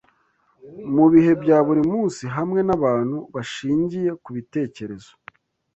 mubihe bya buri munsi hamwe nabantu bashingiye kubitekerezo